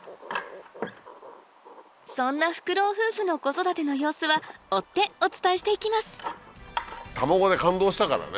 そんなフクロウ夫婦の子育ての様子は追ってお伝えしていきます卵で感動したからね。